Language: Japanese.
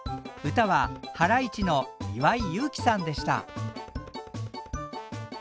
歌はハライチの岩井勇気さんでした。